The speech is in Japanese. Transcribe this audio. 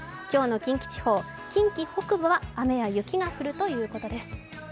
今日の近畿地方、近畿北部は雨や雪が降るということです。